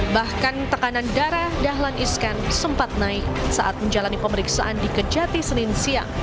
bahkan tekanan darah dahlan iskan sempat naik saat menjalani pemeriksaan di kejati senin siang